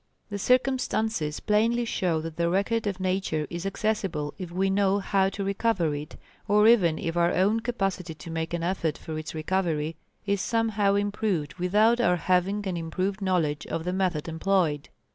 The circumstances plainly show that the record of Nature is accessible if we know how to recover it, or even if our own capacity to make an effort for its recovery is somehow improved without our having an improved knowledge of the method employed.